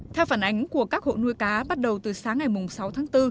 theo phản ánh của các hộ nuôi cá bắt đầu từ sáng ngày sáu tháng bốn